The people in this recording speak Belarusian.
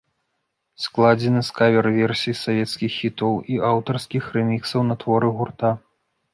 Складзены з кавер-версій савецкіх хітоў і аўтарскіх рэміксаў на творы гурта.